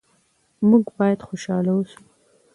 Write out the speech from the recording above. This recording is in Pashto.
موږ باید خوشحاله اوسو.